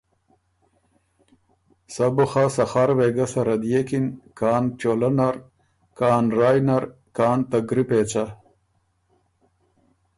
سَۀ بو خه سخر وېګۀ سَرَه دئېکِن، کان چولۀ نر، کان رایٛ نر، کان ته ګری پېڅه